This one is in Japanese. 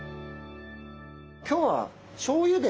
今日はしょうゆで。